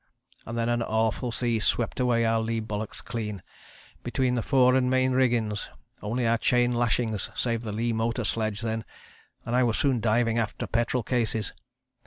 And then an awful sea swept away our lee bulwarks clean, between the fore and main riggings, only our chain lashings saved the lee motor sledge then, and I was soon diving after petrol cases.